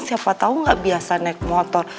siapa tahu nggak biasa naik motor